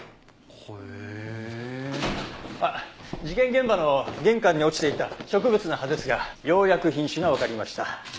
事件現場の玄関に落ちていた植物の葉ですがようやく品種がわかりました。